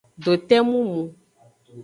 Dote mumu.